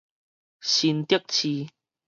新竹市